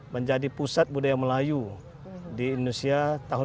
menjadi pusat budaya melayu di indonesia tahun dua ribu dua puluh lima